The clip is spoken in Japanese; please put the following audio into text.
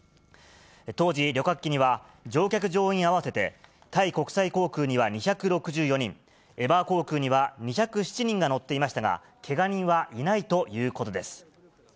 当時、旅客機には乗客・乗員合わせて、タイ国際航空には２６４人、エバー航空には２０７人が乗っていましたが、けが人はいないということです。